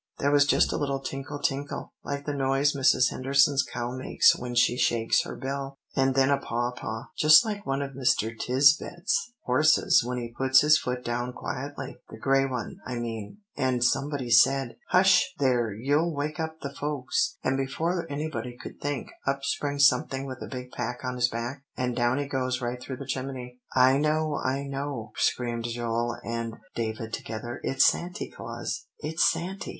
There was just a little tinkle tinkle, like the noise Mrs. Henderson's cow makes when she shakes her bell; and then a paw paw, just like one of Mr. Tisbett's horses when he puts his foot down quietly, the gray one, I mean; and somebody said, 'Hush, there, you'll wake up the folks;' and before anybody could think, up springs something, with a big pack on his back, and down he goes right through the chimney." "I know, I know!" screamed Joel and David together; "it's Santy Claus!" "It's Santy!"